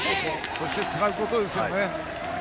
そして、つなぐことですね。